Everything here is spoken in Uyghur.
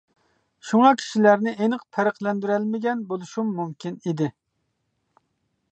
شۇڭا كىشىلەرنى ئېنىق پەرقلەندۈرەلمىگەن بولۇشۇم مۇمكىن ئىدى.